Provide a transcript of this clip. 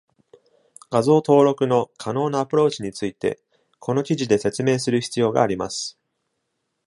画像登録の可能なアプローチについてこの記事で説明する必要があります。